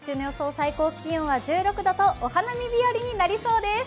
最高気温は１６度とお花見日和となりそうです。